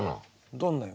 どんな夢？